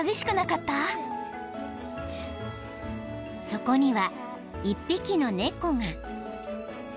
［そこには１匹の猫が］